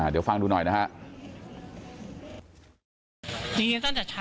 เดี๋ยวฟังดูหน่อยนะครับ